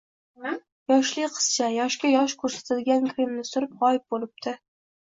yoshli qizcha, yoshga yosh ko'rsatadigan kremni surtib, g'oyib bo'libdi!